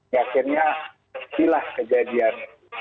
yakinnya silah kejadian